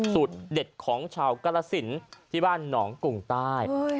สูตรเด็ดของชาวกรสินที่บ้านหนองกุ่งใต้